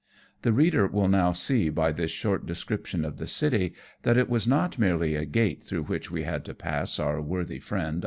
The reader will now see by this short description of the city, that it was not merely a gate through which we had to pass our worthy friend.